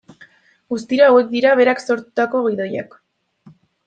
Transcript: Guztira hauek dira berak sortutako gidoiak.